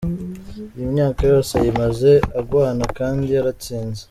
"Iyi myaka yose ayimaze agwana kandi yaratsinze.